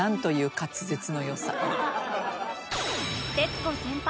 徹子先輩